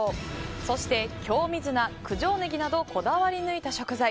そして京水菜、九条ねぎなどこだわり抜いた食材。